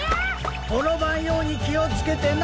ころばんようにきをつけてな。